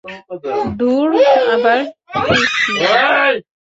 ধুর, আবার ক্রিসমাস!